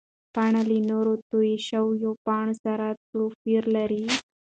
پاڼه له نورو تویو شوو پاڼو سره توپیر لري.